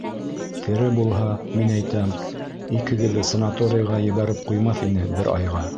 Тере булһа, мин әйтәм, икегеҙҙе санаторийға ебәреп ҡуймаҫ ине бер айға.